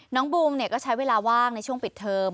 น้องบูมเนี่ยก็ใช้เวลาว่างในช่วงปิดเทิม